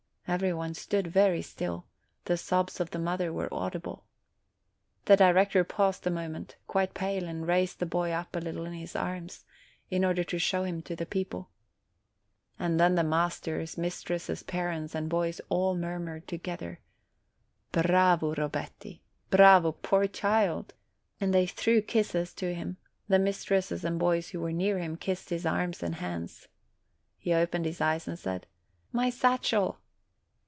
Every one stood very still; the sobs of the mother were audible. The director paused a moment, quite pale, and raised the boy up a little in his arms, in order to show him to the people. And then the masters, mistresses, parents, and boys all murmured together : "Bravo, Robetti ! Bravo, poor child!" and they threw kisses to him; the mistresses and boys who were near him kissed his hands and his arms. He opened his eyes and said, "My satchel!"